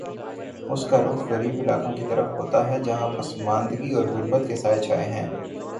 اس کا رخ غریب علاقوں کی طرف ہوتا ہے، جہاں پسماندگی اور غربت کے سائے چھائے ہیں۔